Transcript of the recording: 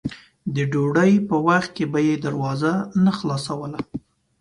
د ډوډۍ په وخت کې به یې دروازه نه خلاصوله.